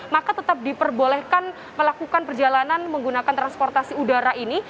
maka tetap diperbolehkan melakukan perjalanan menggunakan transportasi udara ini